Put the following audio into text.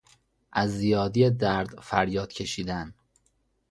از زیادی درد فریاد کشیدن